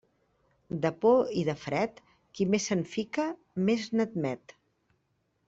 De por i de fred, qui més se'n fica, més n'admet.